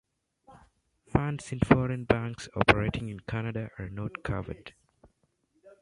Funds in foreign banks operating in Canada are not covered.